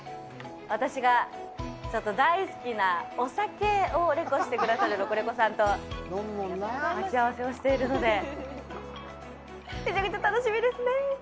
私が大好きなお酒をレコしてくださるロコレコさんと待ち合わせをしているので、めちゃくちゃ楽しみですね。